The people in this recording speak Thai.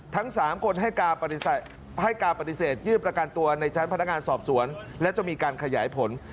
ทั้ง๓คนให้การปฏิเสธยื่นประกันตัวในชั้นพนักงานสอบสวนและจะมีการขยายผล